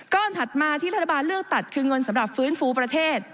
ถัดมาที่รัฐบาลเลือกตัดคือเงินสำหรับฟื้นฟูประเทศ